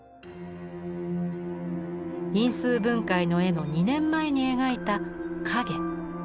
因数分解の絵の２年前に描いた「影」。